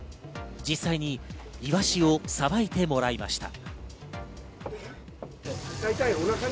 実際にイワシを捌いてもらいました。